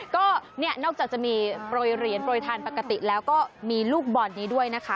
ก็เนี่ยนอกจากจะมีโปรยเหรียญโปรยทานปกติแล้วก็มีลูกบอลนี้ด้วยนะคะ